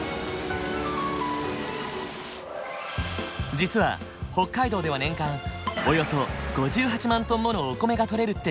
実は北海道では年間およそ５８万トンものお米がとれるって知ってる？